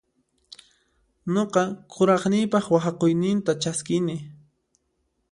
Nuqa kuraqniypaq waqhakuyninta chaskini.